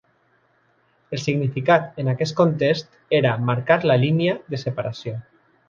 El significat en aquest context era "marcar la línia" de separació.